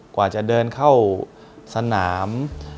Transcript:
กว่าจะเดินเข้าสนาม